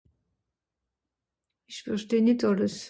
esch versteh nìt àlles